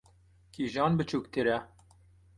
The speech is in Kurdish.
Kîjan biçûktir e?